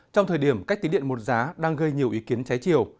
trong thời điểm cách tín điện một giá đang gây nhiều ý kiến trái chiều